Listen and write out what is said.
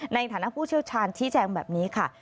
ในฐานะผู้เชี่ยวชาญชี้แจงแบบนี้ค่ะ